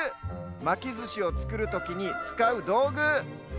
まきずしをつくるときにつかうどうぐ。